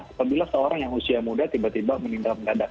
apabila seorang yang usia muda tiba tiba meninggal mendadak